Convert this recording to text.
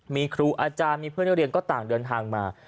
มีครูอาจารย์มีเพื่อนนักเรียนก็ต่างเดินทางมา